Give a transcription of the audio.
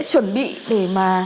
chuẩn bị để mà